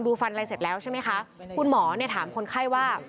คุณจริงไทยะ